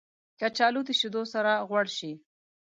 کچالو د شیدو سره غوړ شي